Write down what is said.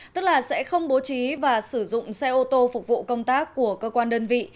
tức là sẽ không bố trí và sử dụng xe ô tô phục vụ công tác của cơ quan đơn vị